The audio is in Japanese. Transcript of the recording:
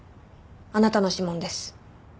あなたの指紋です。